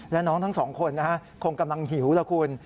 และน้องทั้งสองคนคงกำลังหิวล่ะคุณ